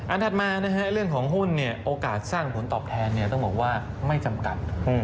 อันถัดมานะครับเรื่องของหุ้นเนี่ยโอกาสสร้างผลตอบแทนเนี่ยต้องบอกว่าไม่จำกัด